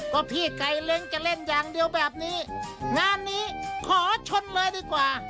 ก็พี่ไก่เล้งจะเล่นอย่างเดียวแบบนี้งานนี้ขอชนเลยดีกว่า